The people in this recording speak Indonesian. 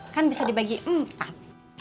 kan bisa dibagi empat